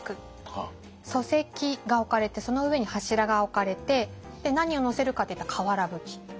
礎石が置かれてその上に柱が置かれて何を載せるかっていったら瓦葺き。